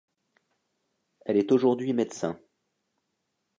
Elle est aujourd'hui médecin.